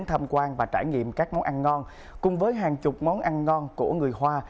tham quan và trải nghiệm các món ăn ngon cùng với hàng chục món ăn ngon của người hoa